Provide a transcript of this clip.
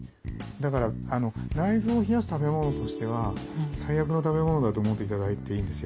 だから内臓を冷やす食べ物としては最悪の食べ物だと思って頂いていいんですよ。